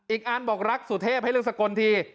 อีกอันบอกรักสุเทพให้เลือกสกลที